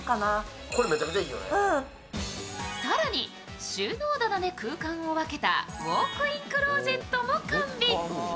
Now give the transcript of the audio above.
更に、収納棚で空間を分けてウォークインクローゼットも完備。